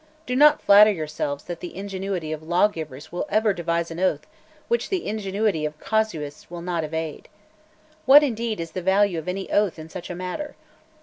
Do not flatter yourselves that the ingenuity of lawgivers will ever devise an oath which the ingenuity of casuists will not evade. What indeed is the value of any oath in such a matter?